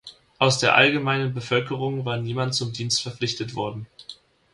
Aus der allgemeinen Bevölkerung war niemand zum Dienst verpflichtet worden.